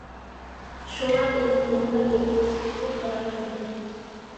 شۇڭا، ئىلىم - ھېكمەت ئۆگىنىشكىمۇ بارالمىدىم.